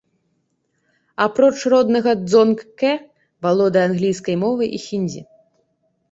Апроч роднага дзонг-кэ, валодае англійскай мовай і хіндзі.